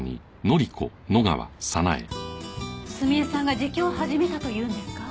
澄江さんが自供を始めたというんですか？